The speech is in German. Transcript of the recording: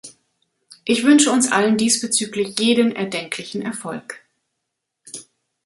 Ich wünsche uns allen diesbezüglich jeden erdenklichen Erfolg.